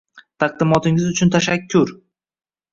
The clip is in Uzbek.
Taqdimotingiz uchun tashakkur.